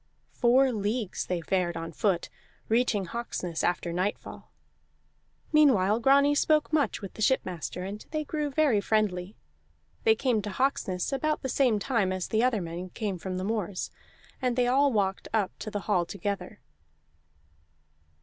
Four leagues they fared on foot, reaching Hawksness after nightfall. Meanwhile Grani spoke much with the shipmaster, and they grew very friendly. They came to Hawksness about the same time as the other men came from the moors, and they all walked up to the hall together.